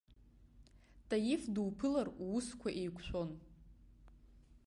Таиф дуԥылар уусәа еиқәшәон.